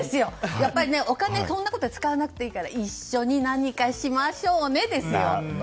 やっぱりお金そんなことに使わなくていいから一緒に何かしましょうねですよ。